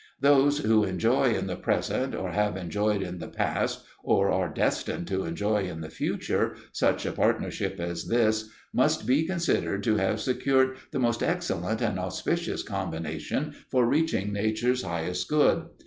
Those who enjoy in the present, or have enjoyed in the past, or are destined to enjoy in the future such a partnership as this, must be considered to have secured the most excellent and auspicious combination for reaching nature's highest good.